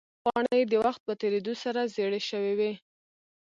پاڼې یې د وخت په تېرېدو سره زیړې شوې وې.